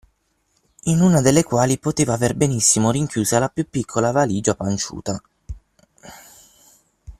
in una delle quali poteva aver benissimo rinchiusa la piú piccola valigia panciuta